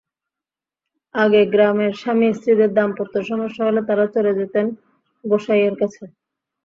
আগে গ্রামের স্বামী-স্ত্রীদের দাম্পত্য সমস্যা হলে তাঁরা চলে যেতেন গোঁসাইয়ের কাছে।